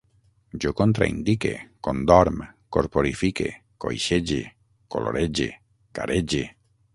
Jo contraindique, condorm, corporifique, coixege, colorege, carege